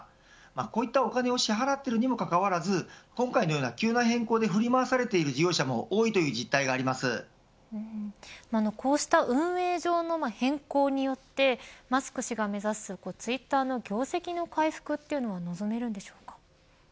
こういったお金を支払っているにもかかわらず、今回のような急な変更で振り回されている事業者もこうした運営上の変更によってマスク氏が目指すツイッターの業績の回復というのは望めるのでしょうか。